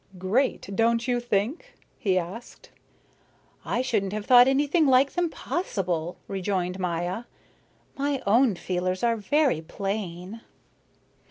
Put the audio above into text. "Great, don't you think?" he asked. "I shouldn't have thought anything like them possible," rejoined Maya. "My own feelers are very plain."